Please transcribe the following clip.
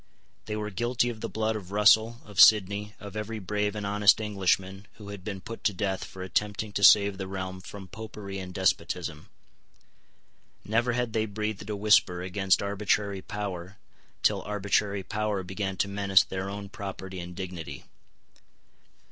They were guilty of the blood of Russell, of Sidney, of every brave and honest Englishman who had been put to death for attempting to save the realm from Popery and despotism. Never had they breathed a whisper against arbitrary power till arbitrary power began to menace their own property and dignity.